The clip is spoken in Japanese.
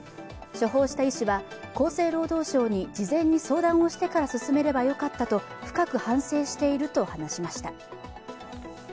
処方した医師は、厚生労働省に事前に相談をしてから進めればよかったと深く反省していると話しました。